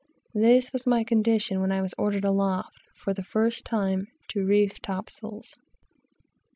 This was my state when I was ordered aloft, for the first time, to reef topsails.